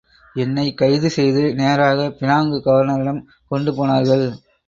என்னைக் கைது செய்து நேராக பினாங்கு கவர்னரிடம் கொண்டு போனார்கள்.